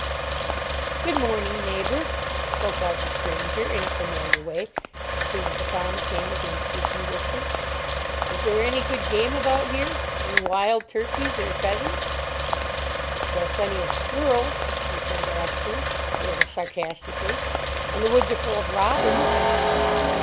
"Good morning, neighbour," spoke out the stranger, in a familiar way, as soon as the farmer came within speaking distance. "Is there any good game about here? Any wild turkeys, or pheasants?" "There are plenty of squirrels," returned Ashburn, a little sarcastically, "and the woods are full of robbins."